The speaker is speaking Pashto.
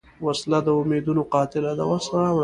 وسله د امیدونو قاتله ده